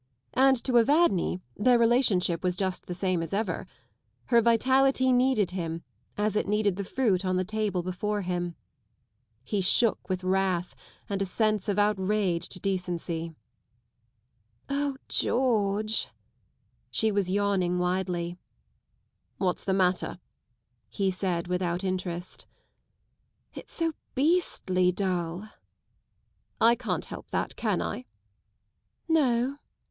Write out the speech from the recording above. And to Evadne their relationship was just the same as ever. Her vitality needed him as it needed the fruit on the table before him. He shook with wrath and a sense of outraged decency. *' O George I " She was yawning widely. " What's the matter ?" he said without interest. " It's so beastly dull." '* I can't help that, can I ?"" No."